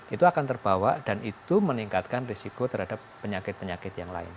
itu akan terbawa dan itu meningkatkan risiko terhadap penyakit penyakit yang lain